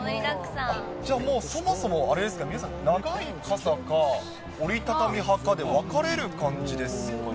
じゃあそもそもあれですか、皆さん、長い傘か、折り畳み派かで分かれる感じですかね。